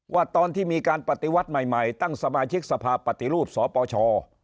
ว่าตอนที่มีการปฏิวัติใหม่ตั้งสมาชิกสภาพปฏิรูปสปช